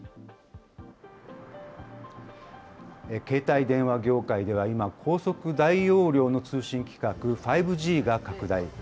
携帯電話業界では今、高速・大容量の通信規格、５Ｇが拡大。